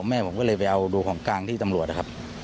แม่ผมก็เลยไปเอาดูของกลางที่ตำรวจนะครับ